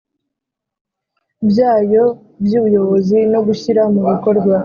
Byayo by ubuyobozi no gushyira mu bikorwa